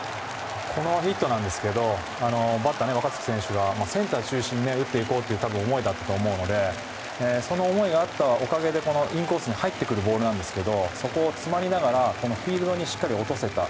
このヒットなんですけどバッター、若月選手がセンターを中心に打っていこうという思いだったと思うのでその思いがあったおかげでインコースに入ってくるボールなんですけどそこを詰まりながらフィールドに落とせた。